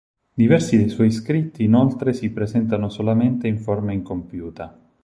Diversi suoi scritti inoltre si presentano solamente in forma incompiuta.